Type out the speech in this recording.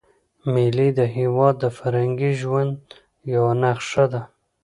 مېلې د هېواد د فرهنګي ژوند یوه نخښه ده.